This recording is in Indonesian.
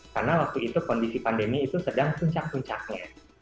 karena waktu itu kondisi pandemi itu sedang puncak puncaknya